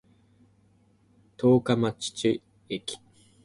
十日町駅